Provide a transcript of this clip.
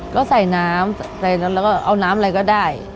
ก็ใส่น้ำเอาน้ำอะไรก็ได้